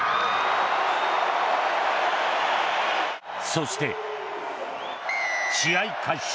そして試合開始。